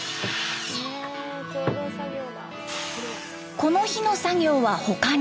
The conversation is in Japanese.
この日の作業は他に。